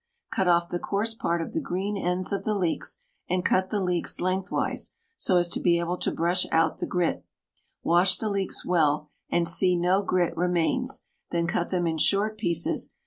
Cut off the coarse part of the green ends of the leeks, and cut the leeks lengthways, so as to be able to brush out the grit. Wash the leeks well, and see no grit remains, then cut them in short pieces.